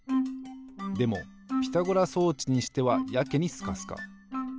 でもピタゴラ装置にしてはやけにスカスカ。